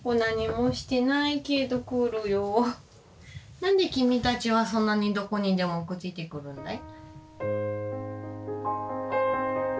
何で君たちはそんなにどこにでもくっついてくるんだい？